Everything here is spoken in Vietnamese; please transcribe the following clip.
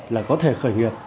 là có thể khởi nghiệp